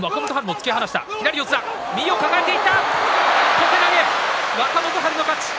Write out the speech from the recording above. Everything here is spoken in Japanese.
小手投げ、若元春の勝ち。